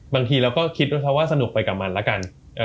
บางทีเราก็คิดว่าสนุกไปกับมันแล้วกัน